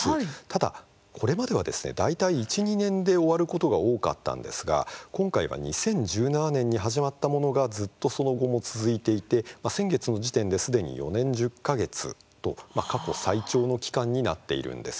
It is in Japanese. ただ、これまでは大体１、２年で終わることが多かったんですが今回は２０１７年に始まったものがずっとその後も続いていて先月の時点で、すでに４年１０か月と過去最長の期間になっているんです。